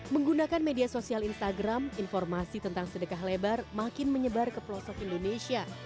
menggunakan media sosial instagram informasi tentang sedekah lebar makin menyebar ke pelosok indonesia